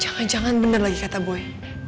jangan jangan bener lagi kata boy